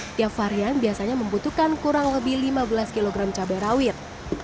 setiap varian biasanya membutuhkan kurang lebih lima belas kg cabai rawit